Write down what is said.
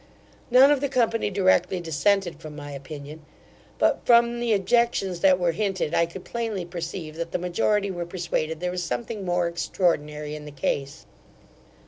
None of the company directly dissented from my opinion; but from the objections that were hinted, I could plainly perceive that the majority were persuaded there was something more extraordinary in the case.